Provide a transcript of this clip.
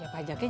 harus banget ma